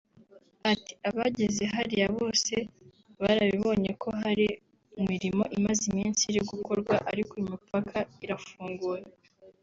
Ati “ Abageze hariya bose barabibonye ko hari imirimo imaze iminsi iri gukorwa […] ariko imipaka irafunguye